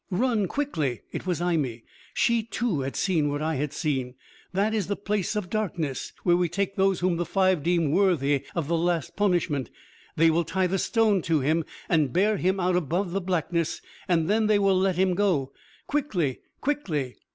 "Run quickly!" It was Imee. She, too, had seen what I had seen. "That is the Place of Darkness, where we take those whom the Five deem worthy of the Last Punishment. They will tie the stone to him, and bear him out above the Blackness, and then they will let him go! Quickly! Quickly!"